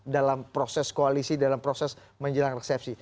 dalam proses koalisi dalam proses menjelang resepsi